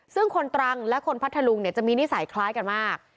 ซึ่งคนตรังและคนพัทธลุงจะมีนิสัยคล้ายกันมาก